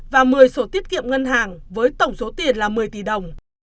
và một mươi sổ tiết kiệm ngân hàng với tổng số tiền là một mươi tỷ đồng